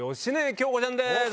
京子ちゃんです。